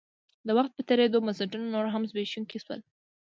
د وخت په تېرېدو بنسټونه نور هم زبېښونکي شول.